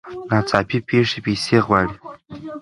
ناڅاپي پېښې پیسې غواړي.